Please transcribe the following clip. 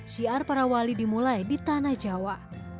syiar para wali dimulai di tanah jawa